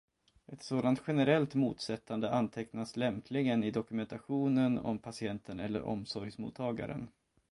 Ett sådant generellt motsättande antecknas lämpligen i dokumentationen om patienten eller omsorgsmottagaren.